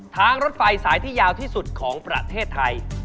ทางรถไฟสายที่ยาวที่สุดของประเทศไทย